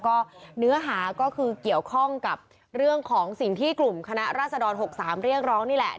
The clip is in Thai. ก็เนื้อหาก็คือเกี่ยวข้องกับเรื่องของสิ่งที่กลุ่มคณะราษฎร๖๓เรียกร้องนี่แหละ